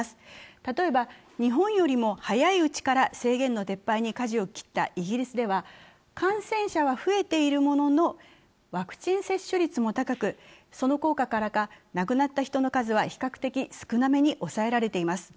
例えば日本よりも早いうちに制限の撤廃にかじを切ったイギリスでは感染者は増えているものの、ワクチン接種率も高く、その効果からか亡くなった人の数は比較的少なめに抑えられています。